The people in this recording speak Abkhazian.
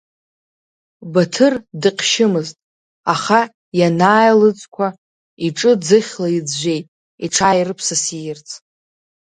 Баҭыр дыҟьшьымызт, аха ианааилыҵқәа иҿы ӡыхьла иӡәӡәеит, иҽааирԥсасиирц.